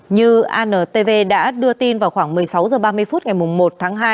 như antv đã đưa tin vào khoảng một mươi sáu h ba mươi phút ngày một tháng hai